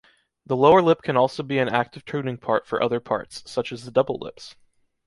The lower lip can also be an active tuning part for other parts, such as the double lips.